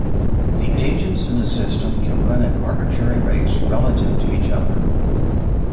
The agents in the system can run at arbitrary rates relative to each other.